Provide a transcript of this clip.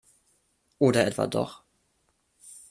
Oder etwa doch?